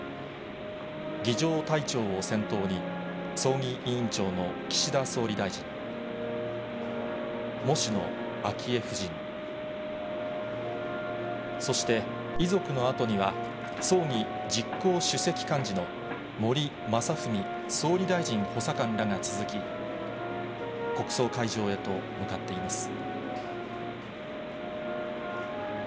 儀じょう隊長を先頭に、葬儀委員長の岸田総理大臣、喪主の昭恵夫人、そして遺族のあとには、葬儀実行主席幹事の森昌文総理大臣補佐官らが続き、国葬会場へと向かっています。